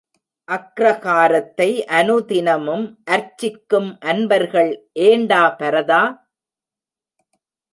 அக்ரகாரத்தை அனுதினமும் அர்ச்சிக்கும் அன்பர்கள் ஏண்டா பரதா!